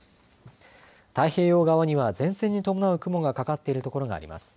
太平洋側には前線に伴う雲がかかっている所があります。